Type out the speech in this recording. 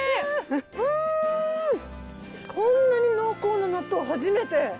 こんなに濃厚な納豆初めて。